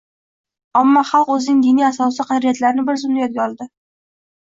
omma xalq o‘zining diniy asos-u qadriyatlarini bir zumda yodga oldi